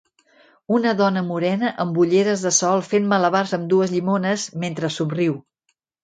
Una dona morena amb ulleres de sol fent malabars amb dues llimones mentre somriu.